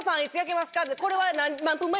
これは。